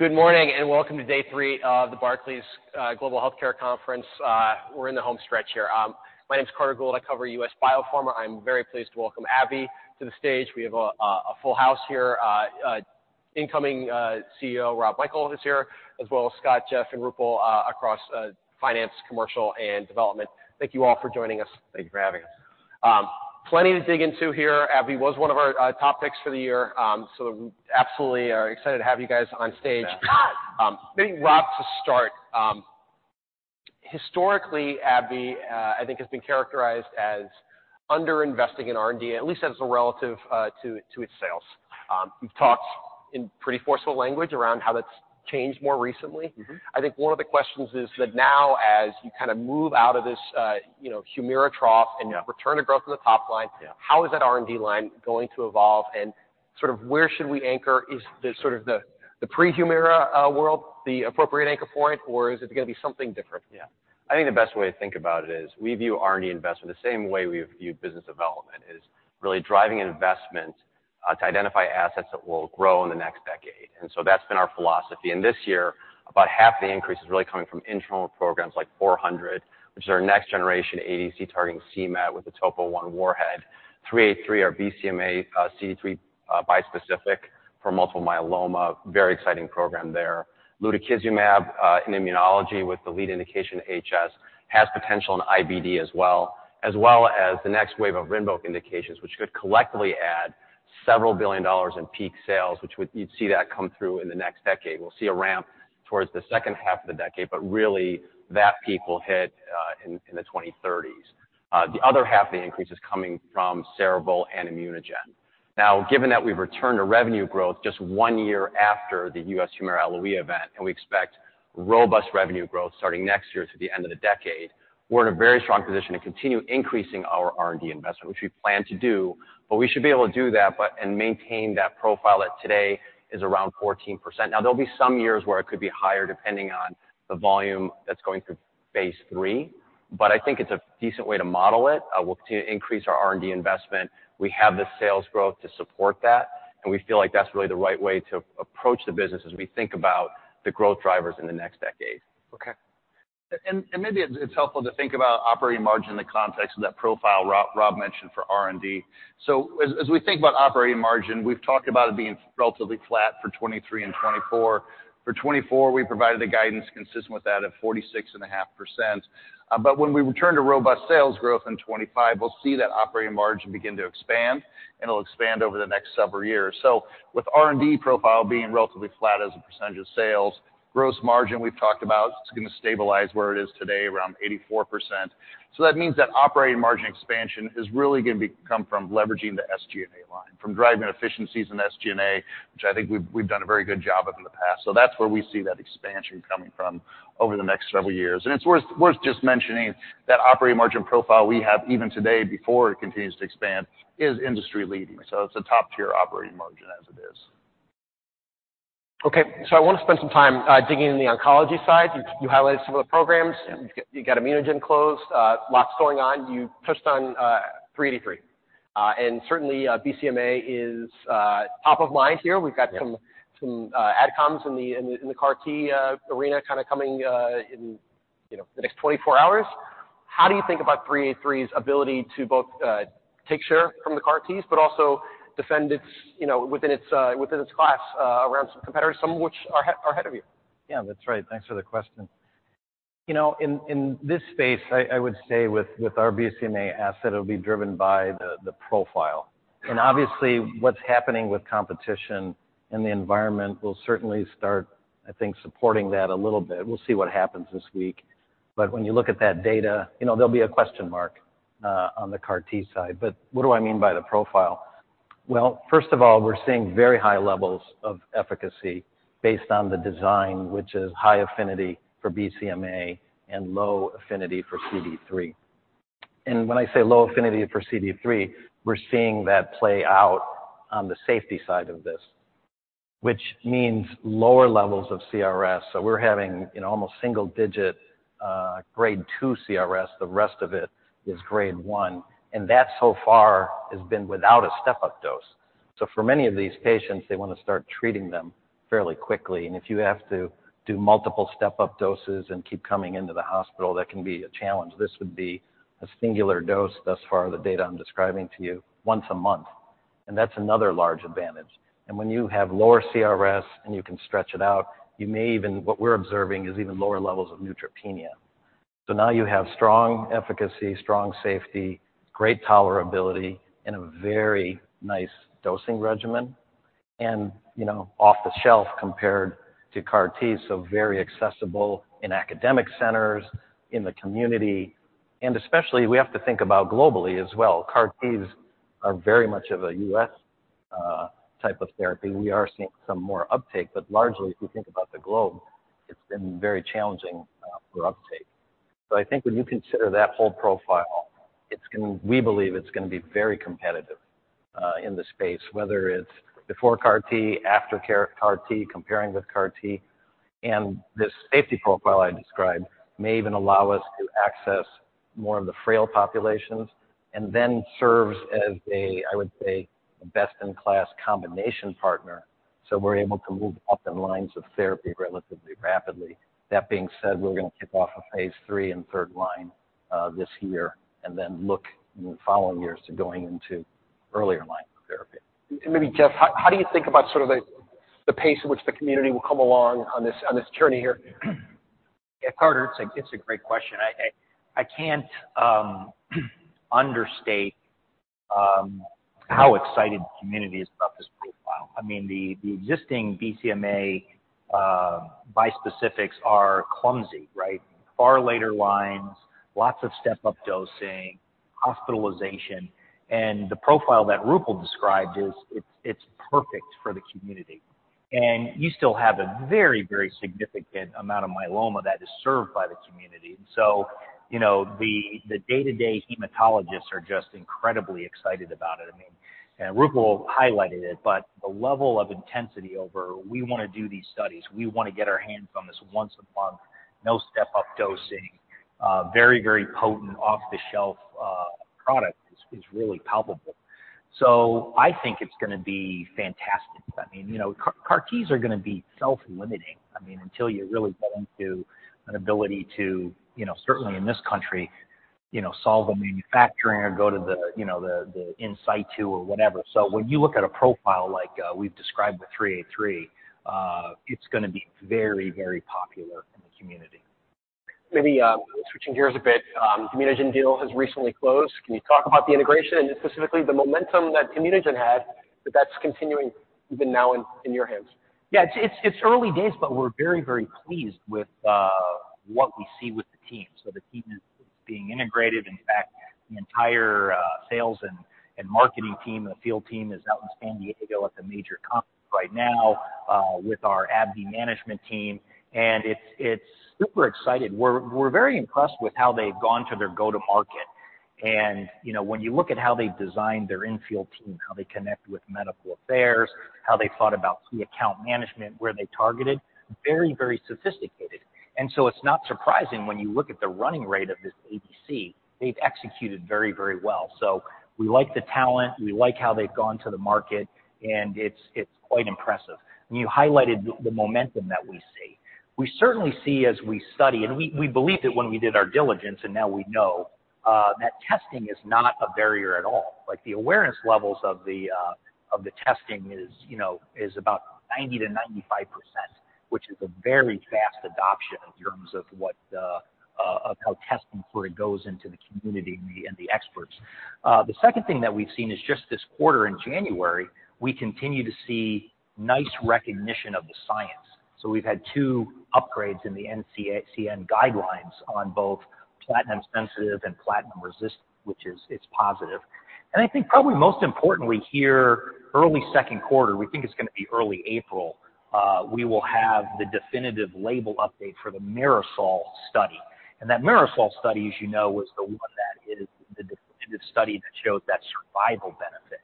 Good morning, and welcome to day three of the Barclays Global Healthcare Conference. We're in the home stretch here. My name is Carter Gould. I cover U.S. Biopharma. I'm very pleased to welcome AbbVie to the stage. We have a full house here. Incoming CEO Rob Michael is here, as well as Scott, Jeff, and Roopal across finance, commercial, and development. Thank you all for joining us. Thank you for having us. Plenty to dig into here. AbbVie was one of our top picks for the year. So absolutely are excited to have you guys on stage. Yeah. Rob, to start, historically, AbbVie, I think, has been characterized as underinvesting in R&D, at least as a relative to its sales. You've talked in pretty forceful language around how that's changed more recently. Mm-hmm. I think one of the questions is that now, as you kinda move out of this, you know, Humira trough- Yeah and return to growth on the top line. Yeah... how is that R&D line going to evolve, and sort of where should we anchor? Is the sort of the pre-Humira world the appropriate anchor for it, or is it gonna be something different? Yeah. I think the best way to think about it is, we view R&D investment the same way we view business development, is really driving investment to identify assets that will grow in the next decade, and so that's been our philosophy. This year, about half the increase is really coming from internal programs like 400, which is our next generation ADC, targeting c-Met with the Topo I warhead. 383, our BCMAxCD3 bispecific for multiple myeloma. Very exciting program there. Lutikizumab in immunology, with the lead indication HS, has potential in IBD as well, as well as the next wave of RINVOQ indications, which could collectively add several billion dollars in peak sales, which would, you'd see that come through in the next decade. We'll see a ramp towards the second half of the decade, but really, that peak will hit in the 2030s. The other half of the increase is coming from Cerevel and ImmunoGen. Now, given that we've returned to revenue growth just one year after the U.S. Humira LOE event, and we expect robust revenue growth starting next year to the end of the decade, we're in a very strong position to continue increasing our R&D investment, which we plan to do. But we should be able to do that and maintain that profile that today is around 14%. Now, there'll be some years where it could be higher, depending on the volume that's going through phase III, but I think it's a decent way to model it. We'll continue to increase our R&D investment. We have the sales growth to support that, and we feel like that's really the right way to approach the business as we think about the growth drivers in the next decade. Okay. Maybe it's helpful to think about operating margin in the context of that profile Rob mentioned for R&D. So as we think about operating margin, we've talked about it being relatively flat for 2023 and 2024. For 2024, we provided the guidance consistent with that at 46.5%. But when we return to robust sales growth in 2025, we'll see that operating margin begin to expand, and it'll expand over the next several years. So with R&D profile being relatively flat as a percentage of sales, gross margin, we've talked about, it's gonna stabilize where it is today, around 84%. So that means that operating margin expansion is really gonna come from leveraging the SG&A line, from driving efficiencies in SG&A, which I think we've done a very good job of in the past. So that's where we see that expansion coming from over the next several years. And it's worth just mentioning that operating margin profile we have, even today, before it continues to expand, is industry leading. So it's a top-tier operating margin as it is. Okay, so I want to spend some time, digging into the oncology side. You, you highlighted some of the programs. Yeah. You got ImmunoGen closed, lots going on. You touched on 383. And certainly, BCMA is top of mind here. Yeah. We've got some ADCs in the CAR-T arena kinda coming in, you know, the next 24 hours. How do you think about three eight three's ability to both take share from the CAR Ts, but also defend its you know within its class around some competitors, some of which are ahead of you? Yeah, that's right. Thanks for the question. You know, in this space, I would say with our BCMA asset, it'll be driven by the profile. And obviously, what's happening with competition and the environment will certainly start, I think, supporting that a little bit. We'll see what happens this week. But when you look at that data, you know, there'll be a question mark on the CAR-T side. But what do I mean by the profile? Well, first of all, we're seeing very high levels of efficacy based on the design, which is high affinity for BCMA and low affinity for CD3. And when I say low affinity for CD3, we're seeing that play out on the safety side of this, which means lower levels of CRS. So we're having, you know, almost single-digit grade two CRS. The rest of it is grade one, and that so far has been without a step-up dose. So for many of these patients, they want to start treating them fairly quickly, and if you have to do multiple step-up doses and keep coming into the hospital, that can be a challenge. This would be a singular dose, thus far, the data I'm describing to you, once a month, and that's another large advantage. And when you have lower CRS and you can stretch it out, you may even... What we're observing is even lower levels of neutropenia. So now you have strong efficacy, strong safety, great tolerability, and a very nice dosing regimen, and, you know, off-the-shelf compared to CAR T, so very accessible in academic centers, in the community, and especially, we have to think about globally as well. CAR-Ts are very much of a U.S. type of therapy. We are seeing some more uptake, but largely, if you think about the globe, it's been very challenging for uptake. So I think when you consider that whole profile, it's gonna, we believe it's gonna be very competitive in the space, whether it's before CAR-T, after CAR-T, comparing with CAR-T. And this safety profile I described may even allow us to access more of the frail populations, and then serves as a, I would say, best-in-class combination partner, so we're able to move up in lines of therapy relatively rapidly. That being said, we're going to kick off a phase III in third line this year and then look in the following years to going into earlier line of therapy. Maybe, Jeff, how do you think about sort of the pace in which the community will come along on this journey here? Yeah, Carter, it's a great question. I can't understate how excited the community is about this profile. I mean, the existing BCMA bispecifics are clumsy, right? Far later lines, lots of step-up dosing, hospitalization, and the profile that Roopal described is, it's perfect for the community. And you still have a very, very significant amount of myeloma that is served by the community. So, you know, the day-to-day hematologists are just incredibly excited about it. I mean, and Roopal highlighted it, but the level of intensity over. We wanna do these studies. We wanna get our hands on this once a month, no step-up dosing, very, very potent, off-the-shelf product, is really palpable. So I think it's gonna be fantastic. I mean, you know, CAR-Ts are gonna be self-limiting. I mean, until you really get into an ability to, you know, certainly in this country, you know, solve a manufacturing or go to the, you know, the in situ or whatever. So when you look at a profile like we've described with three eight three, it's gonna be very, very popular in the community. Maybe, switching gears a bit, ImmunoGen deal has recently closed. Can you talk about the integration, and specifically, the momentum that ImmunoGen had, that's continuing even now in your hands? Yeah, it's, it's early days, but we're very, very pleased with what we see with the team. So the team is being integrated. In fact, the entire sales and marketing team, and the field team is out in San Diego at the major conference right now with our AbbVie management team, and it's, it's super exciting. We're very impressed with how they've gone to their go-to-market. And, you know, when you look at how they've designed their in-field team, how they connect with medical affairs, how they thought about key account management, where they targeted, very, very sophisticated. And so it's not surprising when you look at the running rate of this ADC, they've executed very, very well. So we like the talent, we like how they've gone to the market, and it's quite impressive. And you highlighted the momentum that we see. We certainly see as we study, and we believed it when we did our diligence, and now we know that testing is not a barrier at all. Like, the awareness levels of the testing is, you know, is about 90%-95%, which is a very fast adoption in terms of how testing for it goes into the community and the experts. The second thing that we've seen is just this quarter in January, we continue to see nice recognition of the science. So we've had two upgrades in the NCCN guidelines on both platinum sensitive and platinum resistant, which is. It's positive. And I think probably most importantly, here, early second quarter, we think it's gonna be early April, we will have the definitive label update for the MIRASOL study. That MIRASOL study, as you know, was the one that is the definitive study that showed that survival benefit.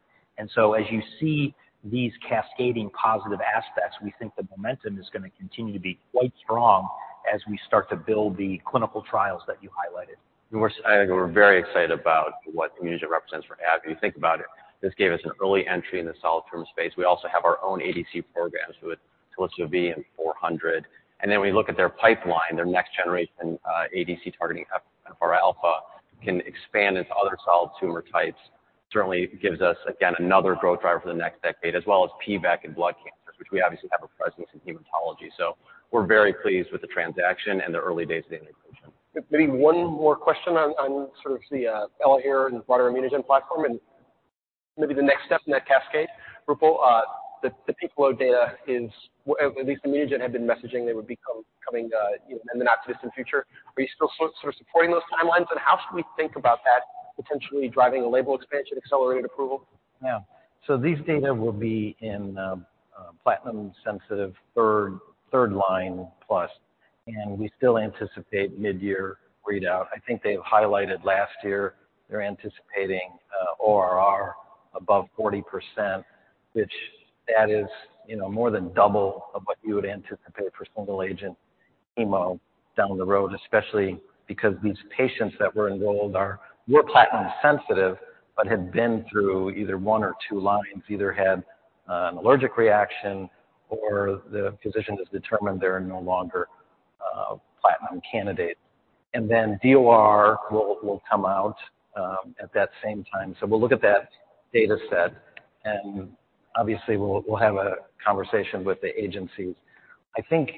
So as you see these cascading positive aspects, we think the momentum is gonna continue to be quite strong as we start to build the clinical trials that you highlighted. We're, I think we're very excited about what ImmunoGen represents for AbbVie. You think about it, this gave us an early entry in the solid tumor space. We also have our own ADC programs with Teliso-V and ABBV-400. And then we look at their pipeline, their next generation, ADC targeting FRα, can expand into other solid tumor types. Certainly gives us, again, another growth driver for the next decade, as well as PVAC and blood cancers, which we obviously have a presence in hematology. So we're very pleased with the transaction and the early days of the integration. Maybe one more question on sort of the ELAHERE and broader ImmunoGen platform, and maybe the next step in that cascade. Roopal, the pivotal data is, at least ImmunoGen had been messaging they would be coming, you know, in the not-too-distant future. Are you still sort of supporting those timelines? And how should we think about that potentially driving a label expansion, accelerated approval? Yeah. So these data will be in platinum-sensitive third-line plus, and we still anticipate mid-year readout. I think they've highlighted last year, they're anticipating ORR above 40%, which that is, you know, more than double of what you would anticipate for single agent chemo down the road, especially because these patients that were enrolled are more platinum-sensitive, but had been through either one or two lines, either had an allergic reaction or the physician has determined they're no longer a platinum candidate. And then DOR will come out at that same time. So we'll look at that data set, and obviously, we'll have a conversation with the agencies. I think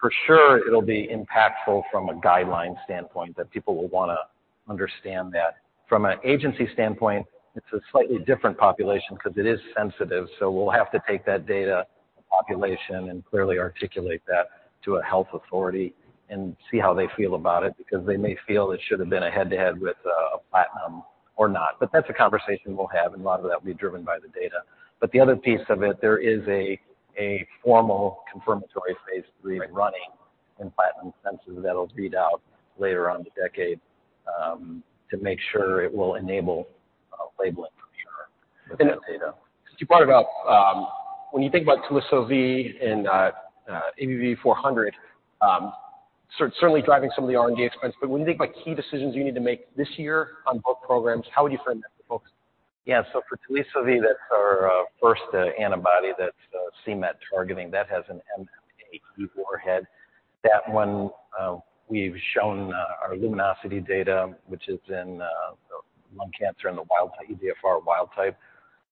for sure it'll be impactful from a guideline standpoint, that people will wanna understand that. From an agency standpoint, it's a slightly different population because it is sensitive, so we'll have to take that data population and clearly articulate that to a health authority and see how they feel about it, because they may feel it should have been a head-to-head with a platinum or not. But that's a conversation we'll have, and a lot of that will be driven by the data. But the other piece of it, there is a formal confirmatory phase 3 running in platinum-sensitive that'll read out later on in the decade to make sure it will enable labeling.... You brought it up, when you think about Teliso-V and ABBV-400, certainly driving some of the R&D expense, but when you think about key decisions you need to make this year on both programs, how would you frame that for folks? Yeah, so for Teliso-V, that's our first antibody that's c-Met targeting. That has an MMAE warhead. That one, we've shown our LUMINOSITY data, which is in lung cancer in the wild-type EGFR wild-type.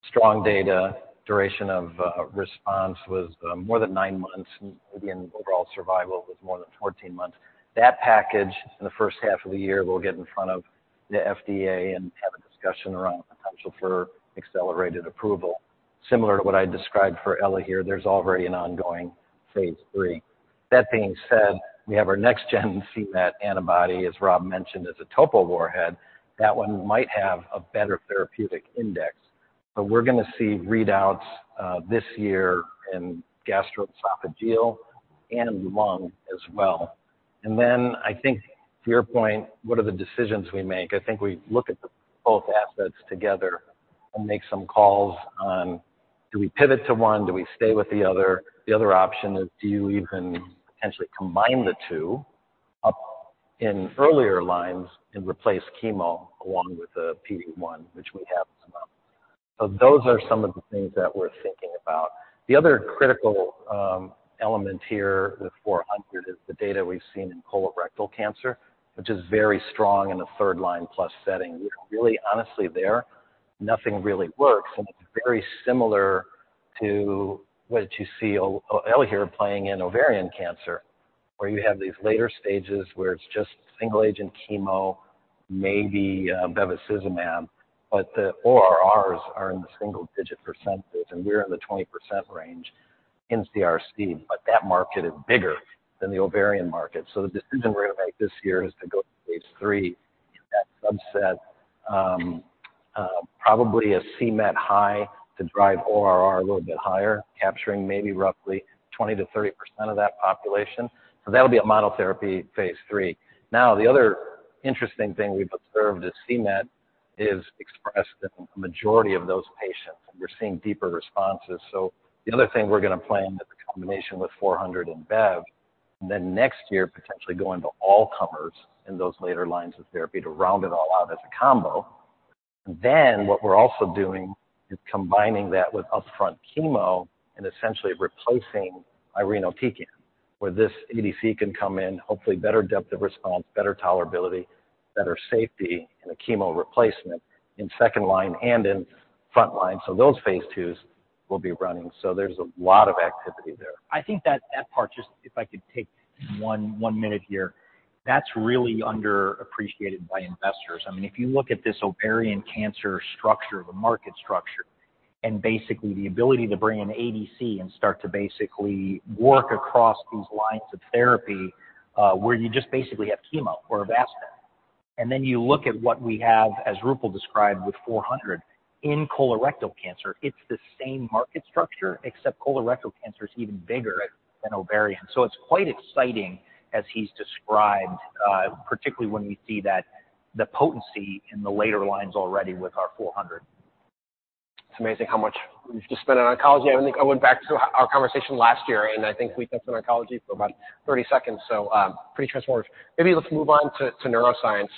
Strong data, duration of response was more than 9 months, and again, overall survival was more than 14 months. That package, in the first half of the year, will get in front of the FDA and have a discussion around the potential for accelerated approval. Similar to what I described for ELAHERE here, there's already an ongoing phase III. That being said, we have our next-gen c-Met antibody, as Rob mentioned, as a topo warhead. That one might have a better therapeutic index, but we're gonna see readouts this year in gastroesophageal and in the lung as well. And then I think to your point, what are the decisions we make? I think we look at the both assets together and make some calls on do we pivot to one, do we stay with the other? The other option is do you even potentially combine the two up in earlier lines and replace chemo along with a PD-1, which we have some of. So those are some of the things that we're thinking about. The other critical element here with four hundred is the data we've seen in colorectal cancer, which is very strong in a third-line plus setting, where really honestly there, nothing really works, and it's very similar to what you see ELAHERE playing in ovarian cancer, where you have these later stages where it's just single agent chemo, maybe bevacizumab, but the ORRs are in the single-digit %, and we're in the 20% range in CRC, but that market is bigger than the ovarian market. So the decision we're gonna make this year is to go to phase III. In that subset, probably a c-Met high to drive ORR a little bit higher, capturing maybe roughly 20%-30% of that population. So that'll be a monotherapy phase III. Now, the other interesting thing we've observed is c-Met is expressed in a majority of those patients, and we're seeing deeper responses. So the other thing we're gonna plan is a combination with 400 and Bev, and then next year, potentially go into all comers in those later lines of therapy to round it all out as a combo. Then, what we're also doing is combining that with upfront chemo and essentially replacing irinotecan, where this ADC can come in, hopefully better depth of response, better tolerability, better safety in a chemo replacement in second line and in front line. So those phase IIs will be running. So there's a lot of activity there. I think that part, just if I could take one minute here, that's really underappreciated by investors. I mean, if you look at this ovarian cancer structure, the market structure, and basically the ability to bring in ADC and start to basically work across these lines of therapy, where you just basically have chemo or Avastin. And then you look at what we have, as Roopal described, with four hundred in colorectal cancer. It's the same market structure, except colorectal cancer is even bigger than ovarian. So it's quite exciting as he's described, particularly when we see that the potency in the later lines already with our four hundred. It's amazing how much we've just spent on oncology. I think I went back to our conversation last year, and I think we spent on oncology for about 30 seconds, so, pretty transformative. Maybe let's move on to neuroscience.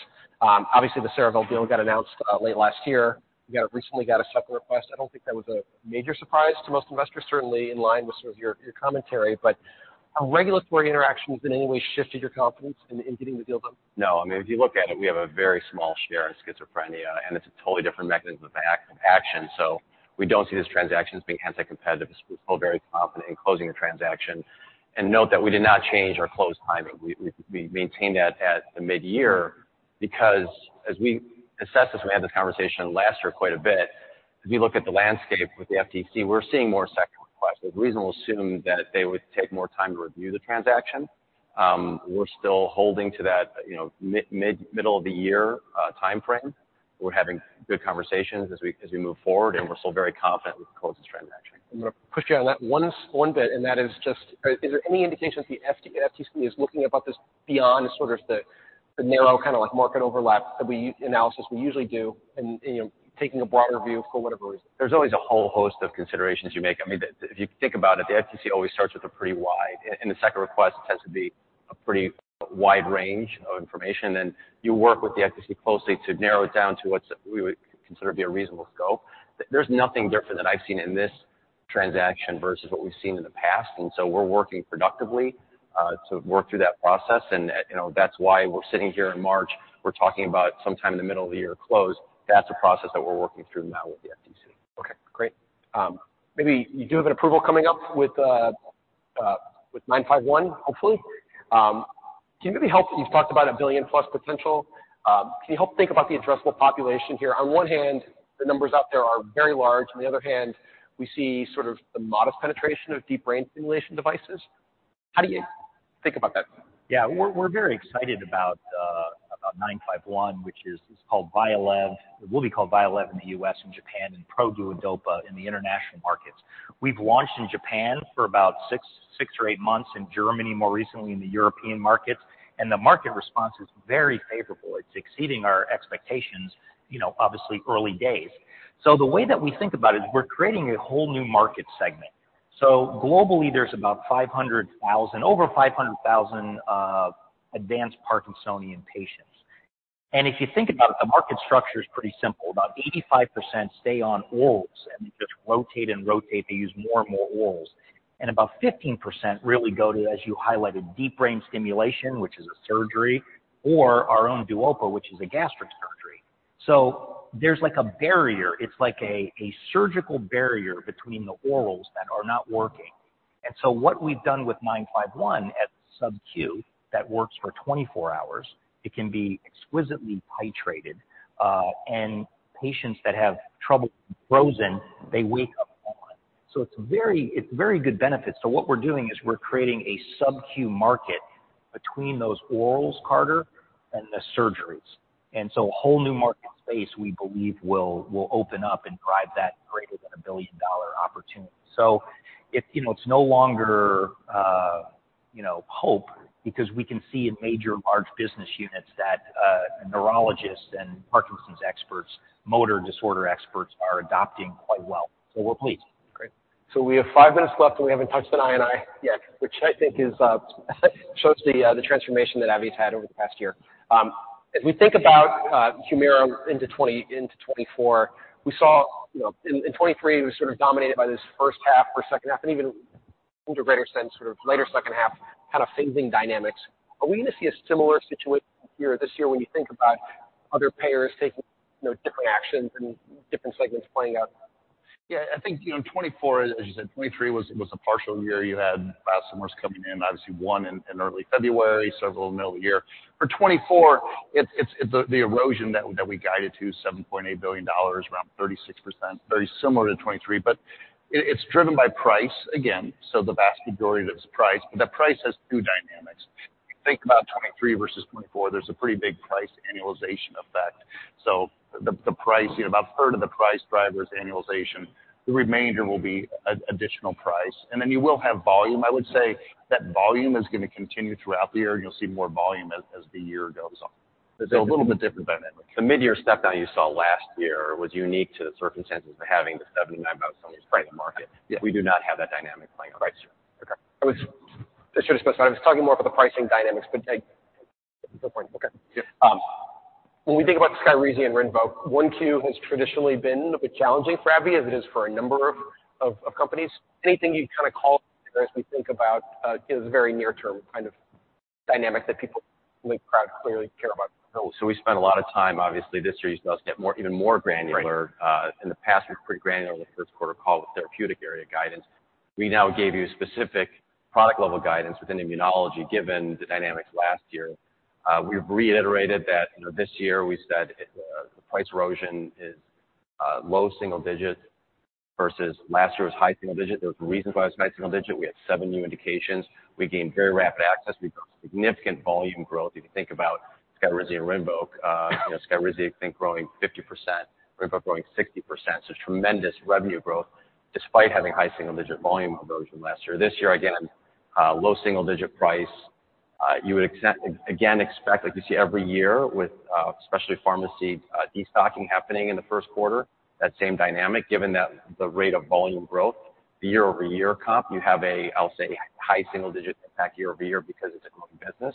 Obviously, the Cerevel deal got announced late last year. We recently got a supplement request. I don't think that was a major surprise to most investors, certainly in line with sort of your commentary, but have regulatory interactions in any way shifted your confidence in getting the deal done? No. I mean, if you look at it, we have a very small share in schizophrenia, and it's a totally different mechanism of action, so we don't see this transaction as being anti-competitive. We're still very confident in closing the transaction. And note that we did not change our close timing. We maintained that at the mid-year because as we assessed this, we had this conversation last year quite a bit, as we look at the landscape with the FTC, we're seeing more second requests. So it's reasonable to assume that they would take more time to review the transaction. We're still holding to that, you know, middle of the year timeframe. We're having good conversations as we move forward, and we're still very confident we can close this transaction. I'm gonna push you on that one bit, and that is just... Is there any indication that the FTC is looking about this beyond sort of the narrow, kind of like market overlap analysis that we usually do and, you know, taking a broader view for whatever reason? There's always a whole host of considerations you make. I mean, if you think about it, the FTC always starts with a pretty wide, and the second request tends to be a pretty wide range of information, and you work with the FTC closely to narrow it down to what's we would consider to be a reasonable scope. There's nothing different that I've seen in this transaction versus what we've seen in the past, and so we're working productively to work through that process. And, you know, that's why we're sitting here in March, we're talking about sometime in the middle of the year close. That's a process that we're working through now with the FTC. Okay, great. Maybe you do have an approval coming up with nine five one, hopefully. Can you maybe help... You've talked about $1 billion+ potential. Can you help think about the addressable population here? On one hand, the numbers out there are very large, on the other hand, we see sort of the modest penetration of deep brain stimulation devices. How do you think about that? Yeah, we're very excited about 951, which is called VYALEV. It will be called VYALEV in the US and Japan, and PRODUODOPA in the international markets. We've launched in Japan for about six or eight months, in Germany, more recently in the European markets, and the market response is very favorable. It's exceeding our expectations, you know, obviously, early days. So the way that we think about it is we're creating a whole new market segment.... So globally, there's about 500,000, over 500,000, advanced Parkinsonian patients. And if you think about it, the market structure is pretty simple. About 85% stay on orals, and they just rotate and rotate. They use more and more orals, and about 15% really go to, as you highlighted, deep brain stimulation, which is a surgery, or our own Duopa, which is a gastric surgery. So there's like a barrier. It's like a, a surgical barrier between the orals that are not working. And so what we've done with nine five one at subQ that works for 24 hours, it can be exquisitely titrated, and patients that have trouble frozen, they wake up on. So it's very—it's very good benefits. So what we're doing is we're creating a subQ market between those orals, Carter, and the surgeries. So a whole new market space, we believe, will open up and drive that greater than a $1 billion-dollar opportunity. It's, you know, it's no longer, you know, hope because we can see in major large business units that neurologists and Parkinson's experts, motor disorder experts are adopting quite well, so we're pleased. Great. So we have five minutes left, and we haven't touched on I and I yet, which I think is, shows the, the transformation that AbbVie's had over the past year. As we think about, Humira into 2024, we saw, you know, in, in 2023, it was sort of dominated by this first half or second half, and even to a greater extent, sort of later second half, kind of phasing dynamics. Are we going to see a similar situation here this year when you think about other payers taking, you know, different actions and different segments playing out? Yeah, I think, you know, 2024, as you said, 2023 was a partial year. You had biosimilars coming in, obviously, one in early February, several middle of the year. For 2024, it's the erosion that we guided to, $7.8 billion, around 36%, very similar to 2023, but it's driven by price again, so the vast majority of it's price. But the price has two dynamics. If you think about 2023 versus 2024, there's a pretty big price annualization effect. So the price, you know, about a third of the price driver is annualization. The remainder will be additional price, and then you will have volume. I would say that volume is going to continue throughout the year, and you'll see more volume as the year goes on. So a little bit different dynamic. The mid-year step down you saw last year was unique to the circumstances of having the 79% of the market. Yeah. We do not have that dynamic playing out. Right. Okay. I was, I should have specified, I was talking more about the pricing dynamics, but good point. Okay. Yeah. When we think about SKYRIZI and RINVOQ, Q1 has traditionally been a bit challenging for AbbVie, as it is for a number of companies. Anything you'd kind of call as we think about, you know, the very near term kind of dynamics that people clearly care about? We spent a lot of time, obviously, this year, with us get more, even more granular. Right. In the past, we were pretty granular with first quarter call with therapeutic area guidance. We now gave you specific product level guidance within immunology, given the dynamics last year. We've reiterated that, you know, this year we said, the price erosion is, low single digits, versus last year was high single digit. There was a reason why it was high single digit. We had 7 new indications. We gained very rapid access. We built significant volume growth. If you think about SKYRIZI and RINVOQ, you know, SKYRIZI, I think, growing 50%, RINVOQ growing 60%. So tremendous revenue growth despite having high single-digit volume erosion last year. This year, again, low single digit price. You would expect again, like you see every year with, especially pharmacy, destocking happening in the first quarter, that same dynamic, given that the rate of volume growth, the year-over-year comp, you have a, I'll say, high single digit impact year over year because it's a growing business.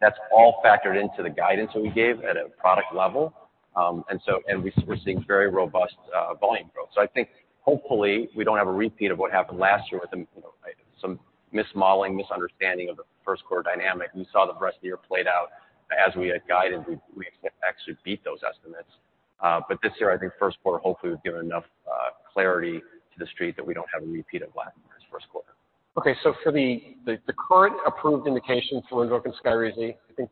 That's all factored into the guidance that we gave at a product level. And so and we're, we're seeing very robust, volume growth. So I think hopefully, we don't have a repeat of what happened last year with, you know, some mismodeling, misunderstanding of the first quarter dynamic. We saw the rest of the year played out as we had guided. We, we expect to actually beat those estimates. But this year, I think first quarter, hopefully, we've given enough clarity to the street that we don't have a repeat of last year's first quarter. Okay, so for the current approved indications for RINVOQ and SKYRIZI, I think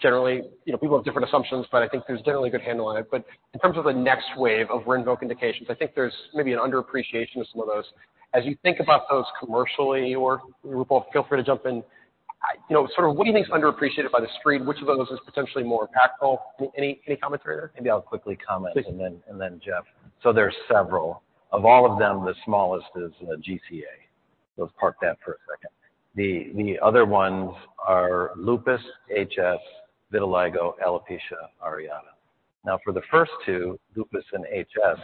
generally, you know, people have different assumptions, but I think there's generally a good handle on it. But in terms of the next wave of RINVOQ indications, I think there's maybe an underappreciation of some of those. As you think about those commercially, or Roopal, feel free to jump in. I, you know, sort of what do you think is underappreciated by the street? Which of those is potentially more impactful? Any, any commentary there? Maybe I'll quickly comment- Please. And then Jeff. So there are several. Of all of them, the smallest is GCA. So park that for a second. The other ones are lupus, HS, vitiligo, alopecia areata. Now, for the first two, lupus and HS,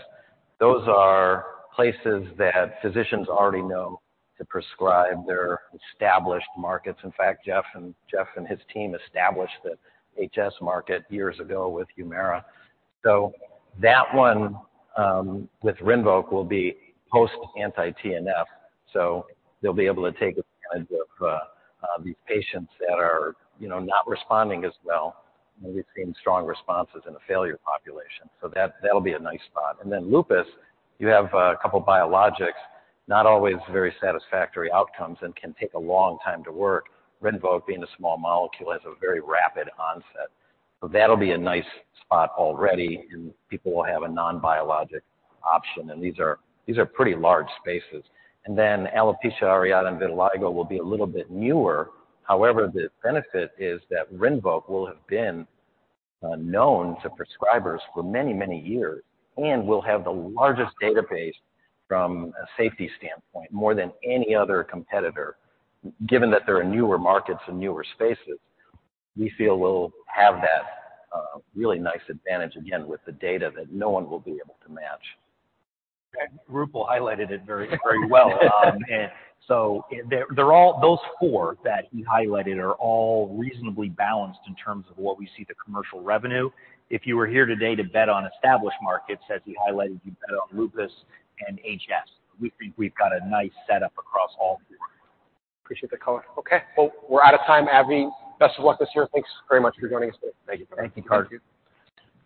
those are places that physicians already know to prescribe. They're established markets. In fact, Jeff and his team established the HS market years ago with Humira. So that one, with RINVOQ, will be post-anti-TNF, so they'll be able to take advantage of these patients that are, you know, not responding as well. We've seen strong responses in a failure population, so that'll be a nice spot. And then lupus, you have a couple biologics, not always very satisfactory outcomes and can take a long time to work. RINVOQ, being a small molecule, has a very rapid onset, so that'll be a nice spot already, and people will have a non-biologic option. These are pretty large spaces. Then alopecia areata and vitiligo will be a little bit newer. However, the benefit is that RINVOQ will have been known to prescribers for many, many years and will have the largest database from a safety standpoint, more than any other competitor. Given that there are newer markets and newer spaces, we feel we'll have that really nice advantage again with the data that no one will be able to match. Roopal highlighted it very, very well. So, they're all those four that he highlighted are all reasonably balanced in terms of what we see the commercial revenue. If you were here today to bet on established markets, as he highlighted, you'd bet on lupus and HS. We think we've got a nice setup across all four. Appreciate the color. Okay, well, we're out of time, AbbVie. Best of luck this year. Thanks very much for joining us today. Thank you. Thank you, Carter.